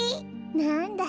なんだ。